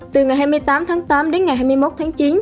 từ ngày hai mươi tám tháng tám đến ngày hai mươi một tháng chín